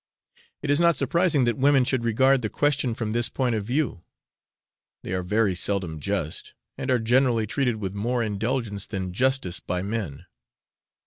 It is not surprising that women should regard the question from this point of view; they are very seldom just, and are generally treated with more indulgence than justice by men.